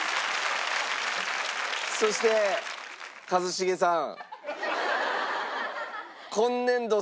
そして一茂さん。